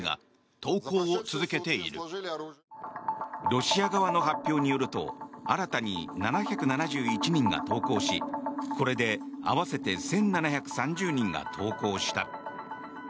ロシア側の発表によると新たに７７１人が投降しこれで合わせて１７３０人が投降した。